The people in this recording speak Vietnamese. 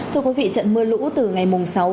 thưa quý vị trận mưa lũ từ ngày sáu tháng